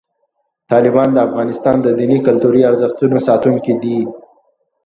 طالبان د افغانستان د دیني او کلتوري ارزښتونو ساتونکي دي.